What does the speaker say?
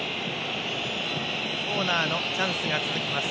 コーナーのチャンスが続きます。